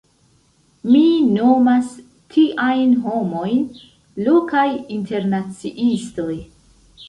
Mi nomas tiajn homojn “lokaj internaciistoj”.